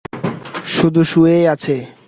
শুধু শুয়েই আছে।